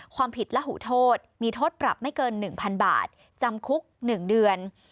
ความผิดและหูโทษมีโทษปรับไม่เกิน๑๐๐๐บาทจำคุก๑เดือน